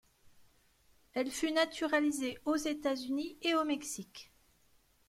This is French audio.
Elle fut naturalisée aux États-Unis et au Mexique.